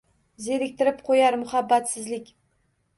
Zeriktirib qo’yar muhabbatsizlik.